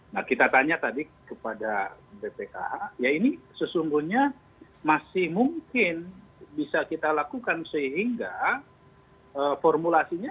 nah kita tanya tadi kepada bpkh ya ini sesungguhnya masih mungkin bisa kita lakukan sehingga formulasinya